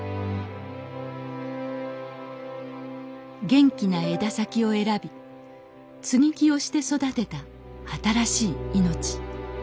元気な枝先を選び接ぎ木をして育てた新しい命。